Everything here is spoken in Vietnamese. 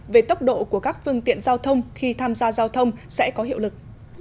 về tốc độ của các phương tiện giao thông khi tham gia giao thông sẽ có hiệu lực